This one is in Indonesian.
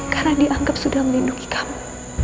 karena dianggap sudah melindungi kamu